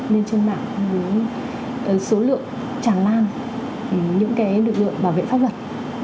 lên trường mạng với số lượng tràn lan những lực lượng bảo vệ pháp luật